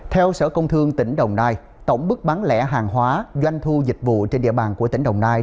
theo sở công thương tỉnh đồng nai tổng bức bán lẻ hàng hóa doanh thu dịch vụ trên địa bàn của tỉnh đồng nai